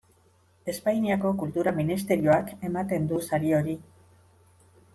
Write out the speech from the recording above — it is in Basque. Espainiako Kultura Ministerioak ematen du sari hori.